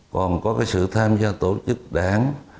còn có cái sự tham gia tổ chức đảng